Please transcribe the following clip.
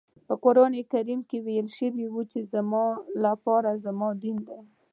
په قرآن کریم کې ويل شوي زما لپاره زما دین.